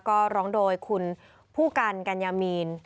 ก็ร้องโดยคุณผู้กันกัญญามีน